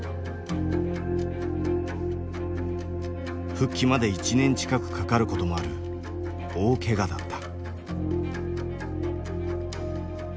復帰まで１年近くかかることもある大けがだった。